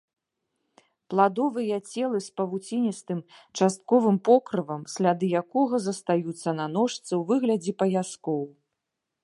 Пладовыя целы з павуціністым частковым покрывам, сляды якога застаюцца на ножцы ў выглядзе паяскоў.